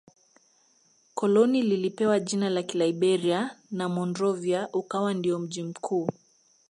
Koloni lilipewa jina la Liberia na Monrovia ukawa ndio mji mkuu